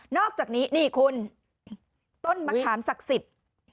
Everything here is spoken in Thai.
อกจากนี้นี่คุณต้นมะขามศักดิ์สิทธิ์